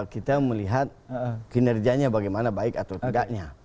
kita melihat kinerjanya bagaimana baik atau tidaknya